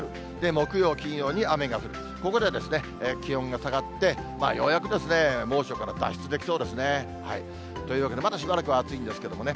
木曜、金曜に雨が降る、ここで気温が下がって、ようやく猛暑から脱出できそうですね。というわけで、まだしばらくは暑いんですけどもね。